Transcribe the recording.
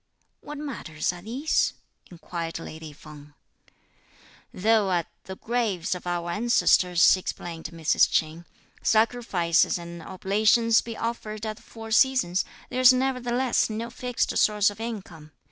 "What matters are these?" inquired lady Feng. "Though at the graves of our ancestors," explained Mrs. Ch'in, "sacrifices and oblations be offered at the four seasons, there's nevertheless no fixed source of income.